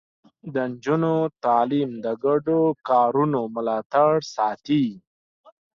د نجونو تعليم د ګډو کارونو ملاتړ ساتي.